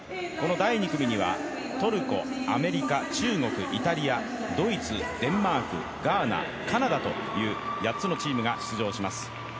第２組にはトルコ、アメリカ中国、イタリアドイツ、デンマークガーナ、カナダという８つのチームが出場します。